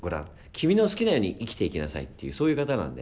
君の好きなように生きていきなさい」っていうそういう方なんで。